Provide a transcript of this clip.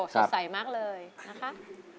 สดใสมากเลยนะคะ